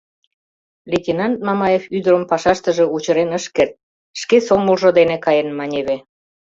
Лейтенант Мамаев ӱдырым пашаштыже учырен ыш керт: шке сомылжо дене каен, маневе.